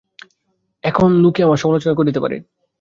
এখন লোকে আমার সমালোচনা করিতে পারে।